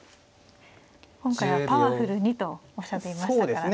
今回はパワフルにとおっしゃっていましたからね。